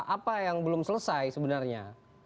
apa yang belum selesai sebenarnya